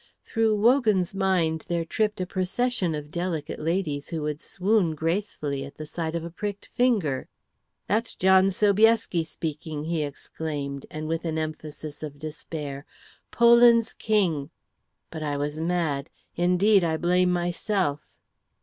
Through Wogan's mind there tripped a procession of delicate ladies who would swoon gracefully at the sight of a pricked finger. "That's John Sobieski speaking," he exclaimed, and with an emphasis of despair, "Poland's King! But I was mad! Indeed, I blame myself."